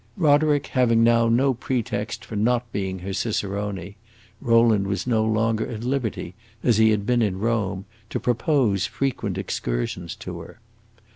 Roderick having now no pretext for not being her cicerone, Rowland was no longer at liberty, as he had been in Rome, to propose frequent excursions to her.